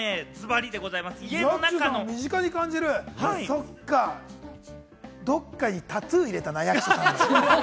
そっか、どっかにタトゥー入れたな、役所さんの。